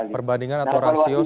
perbandingan atau rasio sekolah